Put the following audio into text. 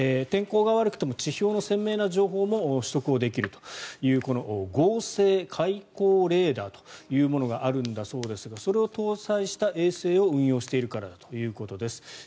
天候が悪くても地表の鮮明な情報も取得できるというこの合成開口レーダーというものがあるんだそうですがそれを搭載した衛星を運用しているからだということです。